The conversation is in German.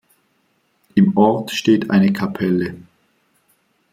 Im Ort steht eine Kapelle.